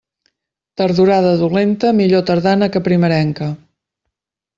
Tardorada dolenta, millor tardana que primerenca.